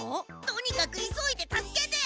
とにかく急いで助けて！